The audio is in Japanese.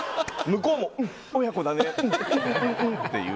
向こうもうん、親子だねって。